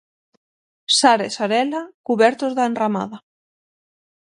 Sar e Sarela, cubertos de enramada.